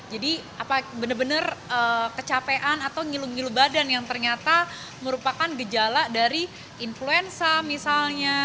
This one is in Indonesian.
jadi benar benar kecapean atau ngilu ngilu badan yang ternyata merupakan gejala dari influenza misalnya